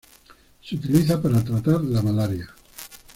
Se utiliza para tratar la malaria.